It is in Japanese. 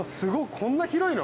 こんな広いの？